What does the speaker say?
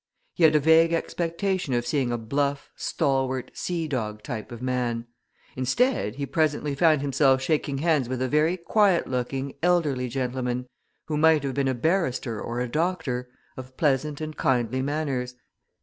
He had a vague expectation of seeing a bluff, stalwart, sea dog type of man; instead, he presently found himself shaking hands with a very quiet looking, elderly gentleman, who might have been a barrister or a doctor, of pleasant and kindly manners.